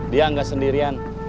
dia gak sendirian